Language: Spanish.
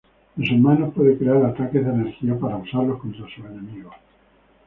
En sus manos puede crear ataques de energía para usarlos contra sus enemigos.